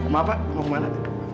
maaf pak mau kemana